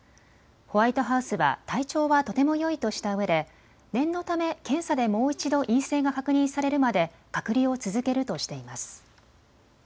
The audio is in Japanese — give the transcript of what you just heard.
ホワイトハウスは体調はとてもよいとしたうえで、念のため検査でもう一度陰性が確認されるまで隔離を続けるとしています。